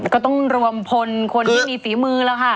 ก็ต้องรวมพลคนที่มีฝีมือแล้วค่ะ